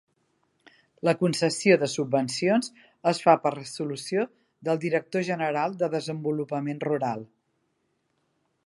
La concessió de subvencions es fa per resolució del director general de Desenvolupament Rural.